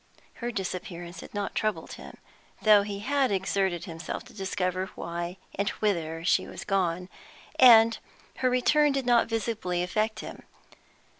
Her disappearance had not troubled him, though he had exerted himself to discover why and whither she was gone, and her return did not visibly affect him.